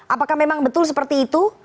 apakah memang betul seperti itu